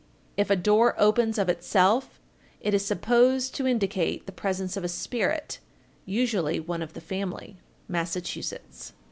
_ 1447. If a door opens of itself, it is supposed to indicate the presence of a spirit, usually one of the family. _Massachusetts.